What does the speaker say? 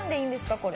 これ。